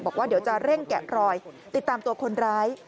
บอกว่าเดี๋ยวจะเร่งแกะรอยติดตามตัวคนร้าย